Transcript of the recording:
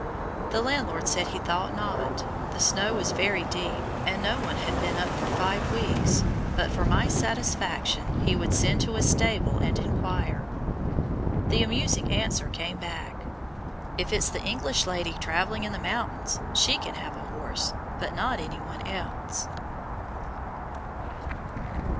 The landlord said he thought not; the snow was very deep, and no one had been up for five weeks, but for my satisfaction he would send to a stable and inquire. The amusing answer came back, "If it's the English lady traveling in the mountains, she can have a horse, but not any one else."